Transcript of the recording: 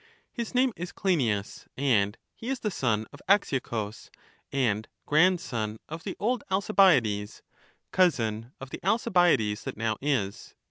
His name is Cleinias, and he is the son of Axiochus, and grandson of the old Alcibiades, cousin of the Alci biades that now is.